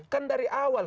kan dari awal